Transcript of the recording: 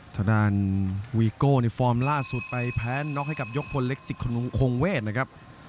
ทางด้านวิโก้ในฟอร์มล่าสุดไปแพ้น็อคานนกจะกับยกพลเล็กสิกว์ควงเวทนะครับ